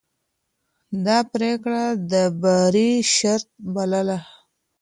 ده پرېکړه د بری شرط بلله.